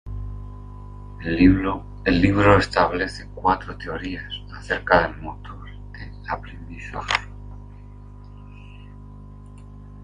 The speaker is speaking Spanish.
El libro establece cuatro teorías acerca del motor de aprendizaje.